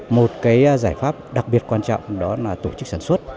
một cái giải pháp đặc biệt quan trọng đó là tổ chức sản xuất